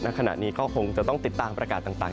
ขณะนี้ก็คงจะต้องติดตามประกาศต่าง